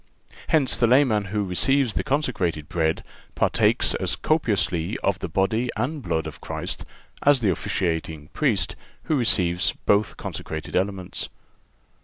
Hence, the layman who receives the consecrated Bread partakes as copiously of the body and blood of Christ as the officiating Priest who receives both consecrated elements.